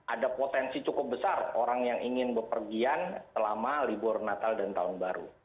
ada potensi cukup besar orang yang ingin berpergian selama libur natal dan tahun baru